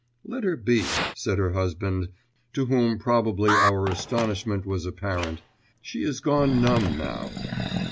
'Let her be,' said her husband, to whom probably our astonishment was apparent, 'she is gone numb now.